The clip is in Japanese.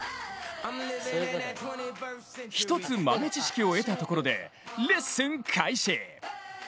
１つ豆知識を得たところでレッスン開始！